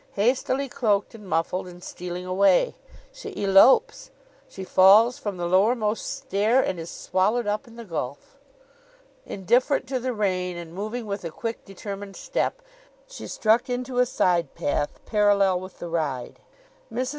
Hastily cloaked and muffled, and stealing away. She elopes! She falls from the lowermost stair, and is swallowed up in the gulf. Indifferent to the rain, and moving with a quick determined step, she struck into a side path parallel with the ride. Mrs.